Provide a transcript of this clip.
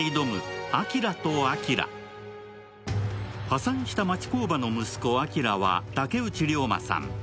破産した町工場の息子・アキラは竹内涼真さん。